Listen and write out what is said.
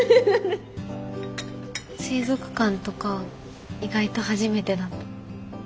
水族館とか意外と初めてだった。